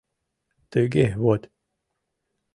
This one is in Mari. — Тыге вот!